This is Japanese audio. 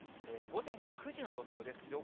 午前９時の予想です。